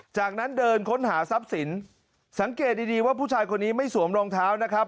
จากนั้นเดินค้นหาทรัพย์สินสังเกตดีดีว่าผู้ชายคนนี้ไม่สวมรองเท้านะครับ